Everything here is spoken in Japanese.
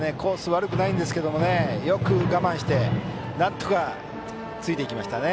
悪くないんですけどよく我慢してなんとか、ついていきましたね。